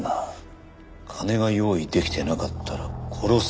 「金が用意できてなかったら殺す」